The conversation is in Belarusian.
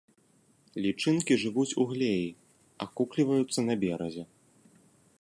Лічынкі жывуць у глеі, акукліваюцца на беразе.